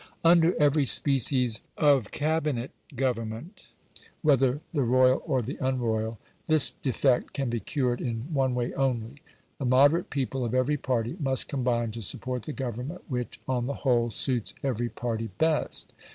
Under every species of Cabinet government, whether the royal or the unroyal, this defect can be cured in one way only. The moderate people of every party must combine to support the Government which, on the whole, suits every party best.